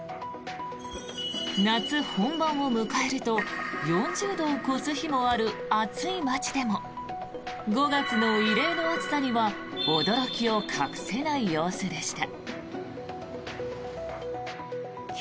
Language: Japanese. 夏本番を迎えると４０度を超す日もある暑い街でも５月の異例の暑さには驚きを隠せない様子でした。